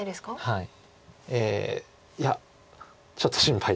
はい。